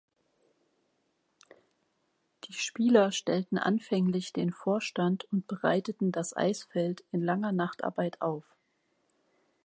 Die Spieler stellten anfänglich den Vorstand und bereiteten das Eisfeld in langer Nachtarbeit auf.